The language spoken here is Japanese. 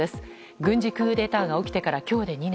軍事クーデターが起きてから今日で２年。